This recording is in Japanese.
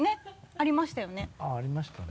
あぁありましたね。